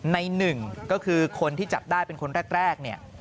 ใน๑ก็คือคนที่จับได้เป็นคนแรก